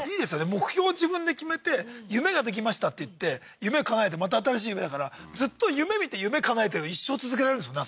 目標を自分で決めて夢ができましたっていって夢をかなえてまた新しい夢だからずっと夢見て夢かなえてを一生続けられるんですもんね